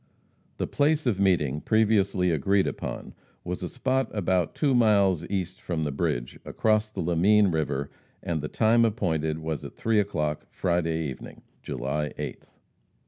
The place of meeting previously agreed upon was a spot about two miles east from the bridge, across the Lamine river, and the time appointed was at 3 o'clock Friday evening, July 8th.